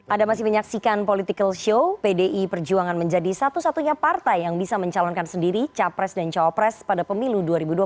ada masih menyaksikan political show pdi perjuangan menjadi satu satunya partai yang bisa mencalonkan sendiri capres dan cawapres pada pemilu dua ribu dua puluh